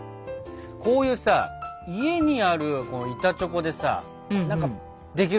こういうさ家にある板チョコでさ何かできるものないかな？